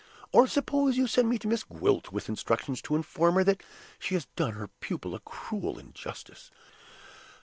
Or, suppose you send me to Miss Gwilt, with instructions to inform her that she has done her pupil a cruel injustice?